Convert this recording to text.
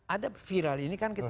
ada viral ini kan kita